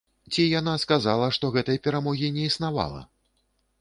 Ці яна сказала, што гэтай перамогі не існавала?